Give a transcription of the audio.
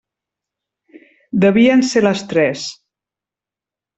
Devien ser les tres.